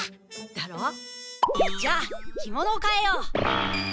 だろう？じゃあ着物をかえよう。